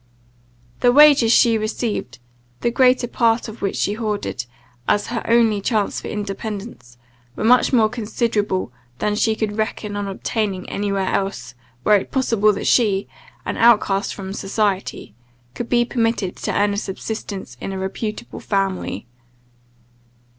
The wages she received, the greater part of which she hoarded, as her only chance for independence, were much more considerable than she could reckon on obtaining any where else, were it possible that she, an outcast from society, could be permitted to earn a subsistence in a reputable family.